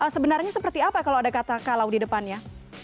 sebenarnya seperti apa kalau ada kata kalau di depannya